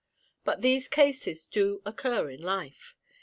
But these cases do occur in life.